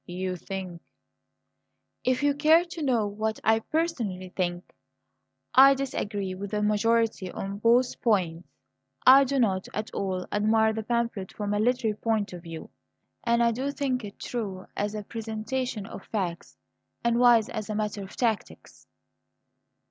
"You think " "If you care to know what I personally think I disagree with the majority on both points. I do not at all admire the pamphlet from a literary point of view, and I do think it true as a presentation of facts and wise as a matter of tactics."